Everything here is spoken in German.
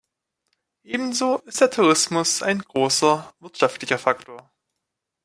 Ebenso ist der Tourismus ein großer wirtschaftlicher Faktor.